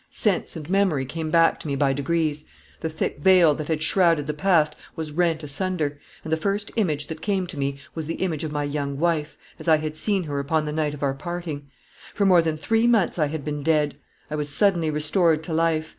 Sense and memory came back to me by degrees. The thick veil that had shrouded the past was rent asunder; and the first image that came to me was the image of my young wife, as I had seen her upon the night of our parting. For more than three months I had been dead. I was suddenly restored to life.